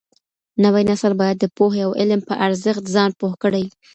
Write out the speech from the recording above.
نوی نسل بايد د پوهي او علم په ارزښت ځان پوه کړي.